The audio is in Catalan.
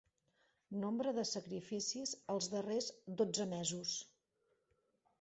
Nombre de sacrificis els darrers dotze mesos.